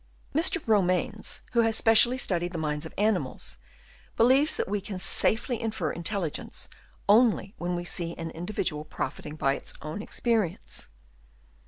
Mr. Romanes, who has specially studied the minds of animals, believes that we can safely infer intelligence, only when we see an individual profiting by its own experience.